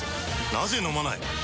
なぜ飲まない？